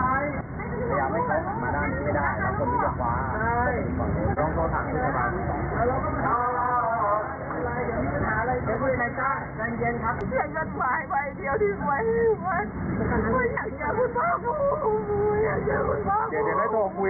ไม่อยากเจอคุณภากภูมิไม่อยากเจอคุณภากภูมิ